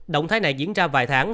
động thái này diễn ra vài tháng